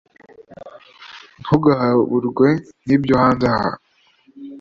Ntugahaburwe n’ibyo hanze aha